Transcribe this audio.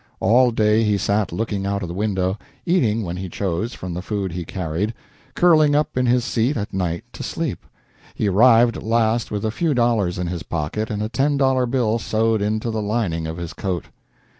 All day he sat looking out of the window, eating when he chose from the food he carried, curling up in his seat at night to sleep. He arrived at last with a few dollars in his pocket and a ten dollar bill sewed into the lining of his coat.